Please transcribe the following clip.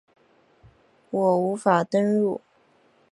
我无法登入